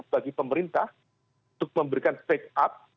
bagi pemerintah untuk memberikan speak up